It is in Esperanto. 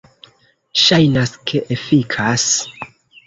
Ŝajnas ke efikas.